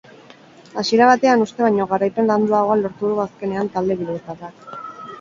Hasiera batean uste baino garaipen landuagoa lortu du azkenean talde bilbotarrak.